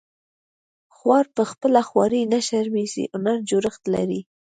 خوار په خپله خواري نه شرمیږي هنري جوړښت لري